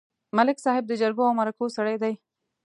ملک صاحب د جرګو او مرکو سړی دی.